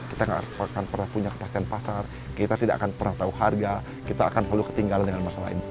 kita tidak akan pernah punya kepasaran pasar kita tidak akan pernah tahu harga kita akan selalu ketinggalan dengan masalah ini